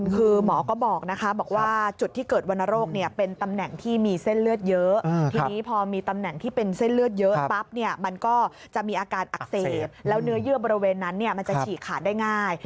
ก็จะมีอาการอักเสบแล้วเนื้อเยื่อบริเวณนั้นมันจะฉีกขาดได้ง่าย